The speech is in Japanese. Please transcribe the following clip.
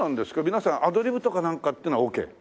皆さんアドリブとかなんかっていうのはオーケー？